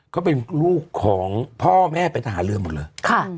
เขาเป็นลูกของพ่อแม่เป็นทหารเรือหมดเลย